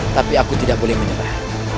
tapi aku tidak boleh menyerah